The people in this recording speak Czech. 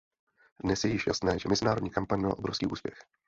Dnes je již jasné, že mezinárodní kampaň měla obrovský úspěch.